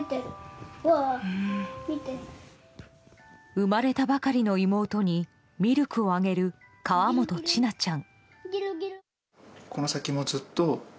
生まれたばかりの妹にミルクをあげる河本千奈ちゃん。